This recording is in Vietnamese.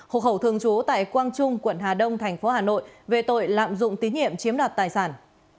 hộ khẩu thường trú tại quang trung quận hà đông thành phố hà nội về tội lạm dụng tín nhiệm chiếm đoạt tài sản